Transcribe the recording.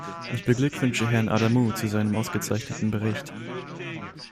Ich beglückwünsche Herrn Adamou zu seinem ausgezeichneten Bericht.